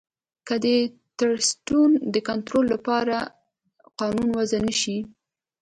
که د ټرسټونو د کنترول لپاره قانون وضعه نه شي.